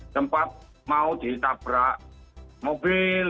tempat mau ditabrak mobil